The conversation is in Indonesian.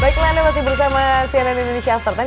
baiklah anda masih bersama cnn indonesia after sepuluh